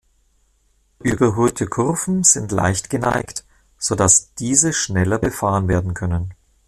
Überhöhte Kurven sind leicht geneigt, so dass diese schneller befahren werden können.